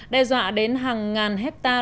đe dọa đến hàng ngàn hectare